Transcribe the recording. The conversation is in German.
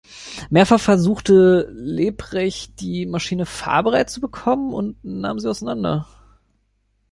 Mehrfach versuchte Lebrecht die Maschine fahrbereit zu bekommen und nahm sie auseinander.